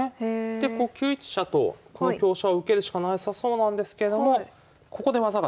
で９一飛車とこの香車を受けるしかなさそうなんですけどもえ技ですか？